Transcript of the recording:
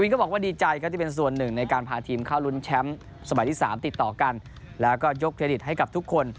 ก็บอกว่าดีใจครับที่เป็นส่วนหนึ่งในการพาทีมเข้ารุ้นแชมป์สมัยที่๓ติดต่อกันแล้วก็ยกเครดิตให้กับทุกคน